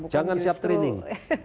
jangan siap training